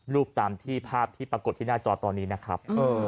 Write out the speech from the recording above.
ตามที่ภาพที่ปรากฏที่หน้าจอตอนนี้นะครับ